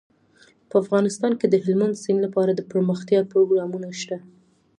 په افغانستان کې د هلمند سیند لپاره د پرمختیا پروګرامونه شته.